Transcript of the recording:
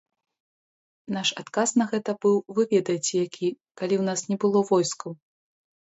Наш адказ на гэта быў вы ведаеце які, калі ў нас не было войскаў?